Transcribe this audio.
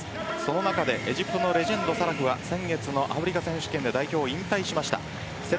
その中でエジプトのレジェンドが先月アフリカ選手権で代表引退しました。